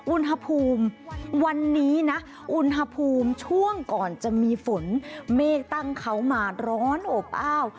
อุณหภูมิวันนี้นะอุณหภูมิช่วงก่อนจะมีฝนเมฆตั้งเขามาร้อนอบอ้าว